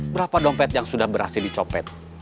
berapa dompet yang sudah berhasil dicopet